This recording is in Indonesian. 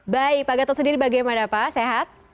baik pak gatot sendiri bagaimana pak sehat